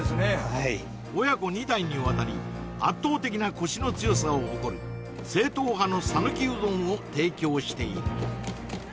はい親子２代にわたり圧倒的なコシの強さを誇る正統派の讃岐うどんを提供している